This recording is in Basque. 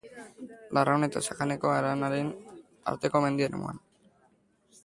Larraun eta Sakanako haranen arteko mendi eremuan.